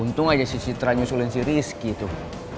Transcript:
untung aja si citra nyusulin si risky tuh